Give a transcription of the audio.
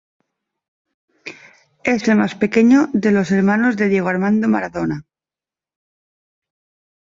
Es el más pequeño de los hermanos de Diego Armando Maradona.